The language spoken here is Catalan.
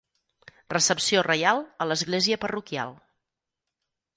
Recepció reial a l'església parroquial.